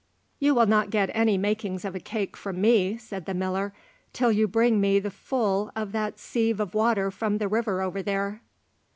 "You will not get any makings of a cake from me," said the miller, "till you bring me the full of that sieve of water from the river over there."